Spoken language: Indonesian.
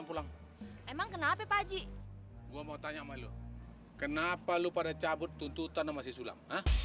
pulang emang kenapa pak haji gua mau tanya malu kenapa lu pada cabut tuntutan masih sulam